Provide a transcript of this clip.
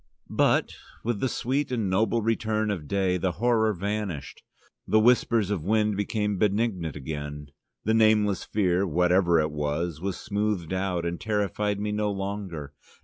But with the sweet and noble return of day the horror vanished: the whisper of wind became benignant again: the nameless fear, whatever it was, was smoothed out and terrified me no longer.